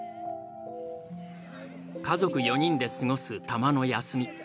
家族４人で過ごすたまの休み。